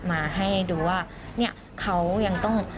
มาให้ดูว่าเค้ายังต้อง